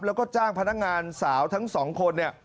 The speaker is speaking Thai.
แล้วก็จ้างพนักงานสาวทั้ง๒คน